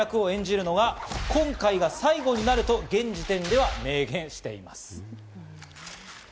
この役を演じるのは今回が最後になると現時点では明言しています。